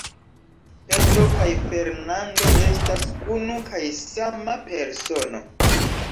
Petro kaj Fernando estas unu kaj sama persono.